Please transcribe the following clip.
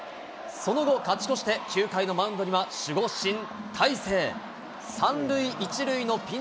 その後、勝ち越して、９回のマウンドには守護神、大勢。